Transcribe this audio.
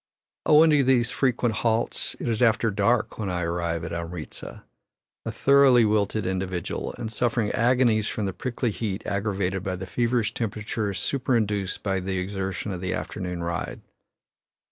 Owing to these frequent halts, it is after dark when I arrive at Amritza a thoroughly wilted individual, and suffering agonies from the prickly heat aggravated by the feverish temperature superinduced by the exertion of the afternoon ride.